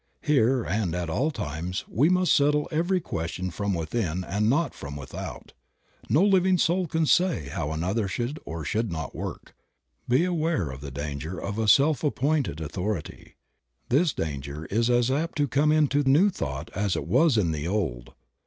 Here and at all times we must settle every question from within and not from without. No living soul can say how another should or should not work. Beware of the danger of a self appointed authority ; this danger is as apt to come into New Creative Mind. 41 Thought as it was in the Old.